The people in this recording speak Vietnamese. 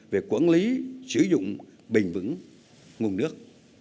về quản lý sử dụng bình vững nguồn nước